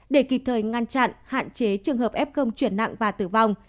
để kịp thời ngăn chặn hạn chế trường hợp f công chuyển nặng và tử vong